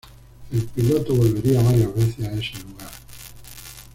El piloto volvería varias veces a ese lugar.